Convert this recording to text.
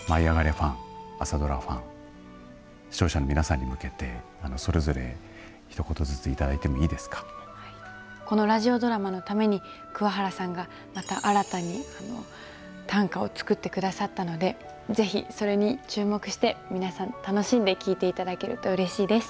ファン朝ドラファン視聴者の皆さんに向けてそれぞれ、ひと言ずつこのラジオドラマのために桑原さんが、また新たに短歌を作ってくださったのでぜひ、それに注目して皆さん楽しんで聞いていただけるとうれしいです。